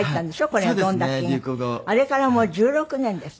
あれからもう１６年ですって。